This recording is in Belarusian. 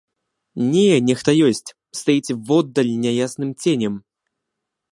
Не, нехта ёсць, стаіць воддаль няясным ценем.